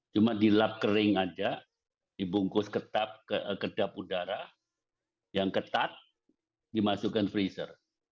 cuma dilap kering saja dibungkus ke dap udara yang ketat dimasukkan ke freezer